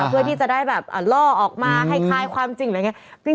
เพื่อที่จะได้แบบล่อออกมาให้คลายความจริงอะไรอย่างนี้